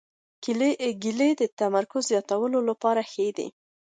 کېله د تمرکز زیاتولو لپاره ښه ده.